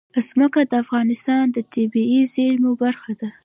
ځمکه د افغانستان د طبیعي زیرمو برخه ده.